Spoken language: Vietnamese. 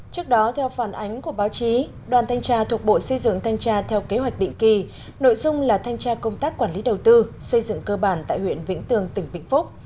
trước đó theo phản ánh của báo chí đoàn thanh tra thuộc bộ xây dựng thanh tra theo kế hoạch định kỳ nội dung là thanh tra công tác quản lý đầu tư xây dựng cơ bản tại huyện vĩnh tường tỉnh vĩnh phúc